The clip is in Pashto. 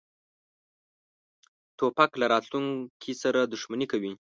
توپک له راتلونکې سره دښمني کوي.